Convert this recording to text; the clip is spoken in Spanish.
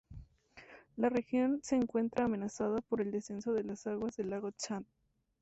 La región se encuentra amenazada por el descenso de las aguas del lago Chad.